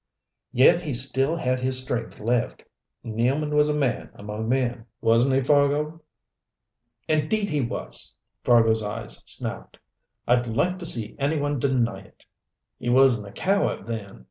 "Yet he still had his strength left. Nealman was a man among men, wasn't he, Fargo?" "Indeed he was!" Fargo's eyes snapped. "I'd like to see any one deny it." "He wasn't a coward then.